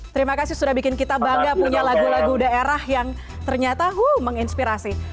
terima kasih sudah bikin kita bangga punya lagu lagu daerah yang ternyata menginspirasi